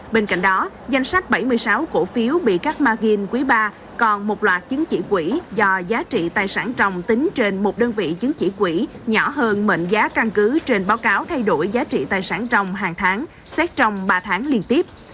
bên cạnh đó danh sách bảy mươi sáu cổ phiếu bị các margin quý ba còn một loạt chứng chỉ quỹ do giá trị tài sản trồng tính trên một đơn vị chứng chỉ quỹ nhỏ hơn mệnh giá căn cứ trên báo cáo thay đổi giá trị tài sản trồng hàng tháng xét trong ba tháng liên tiếp